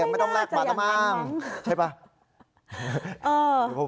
ไม่น่าจะอย่างนั้น